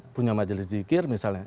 punya majelis dzikir misalnya